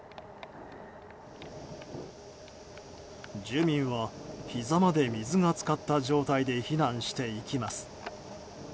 住民は、ひざまで水が浸かった状態で避難していきます。